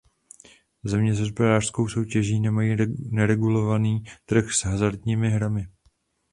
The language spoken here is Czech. Země s hospodářskou soutěží nemají neregulovaný trh s hazardními hrami.